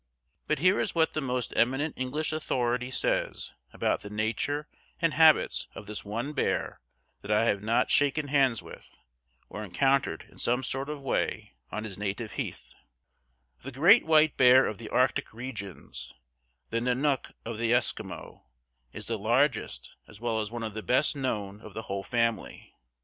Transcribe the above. But here is what the most eminent English authority says about the nature and habits of this one bear that I have not shaken hands with, or encountered in some sort of way on his native heath: "The great white bear of the Arctic regions the 'Nennok' of the Eskimo is the largest as well as one of the best known of the whole family.